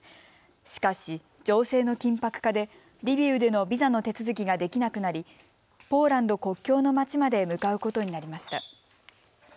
しかし情勢の緊迫化でリビウでのビザの手続きができなくなりポーランド国境の町まで向かうことになりました。